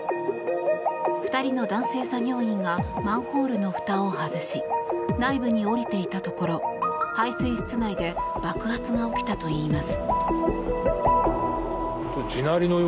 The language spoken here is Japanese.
２人の男性作業員がマンホールのふたを外し内部に下りていたところ排水室内で爆発が起きたといいます。